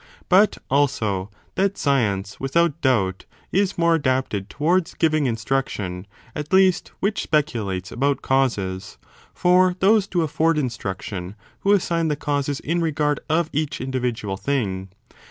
^ But, also, that science, without doubt, is more adapted towards giving instruction, at least, which speculates about causes; for those do afford instruction who assign the causes in regard of each individual thing.